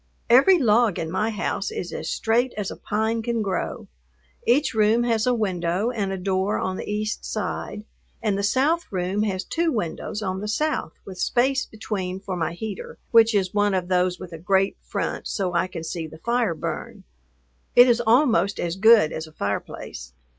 Every log in my house is as straight as a pine can grow. Each room has a window and a door on the east side, and the south room has two windows on the south with space between for my heater, which is one of those with a grate front so I can see the fire burn. It is almost as good as a fireplace.